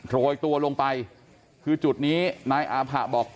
โรยตัวลงไปคือจุดนี้นายอาผะบอก